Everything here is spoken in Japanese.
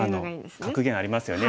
格言ありますよね。